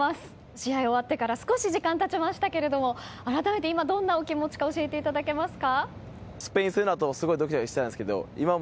試合終わってから少し時間が経ちましたけど改めて今どんなお気持ちか教えていただけますか。